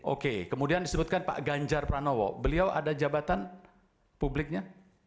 oke kemudian disebutkan pak ganjar pranowo beliau ada jabatan publiknya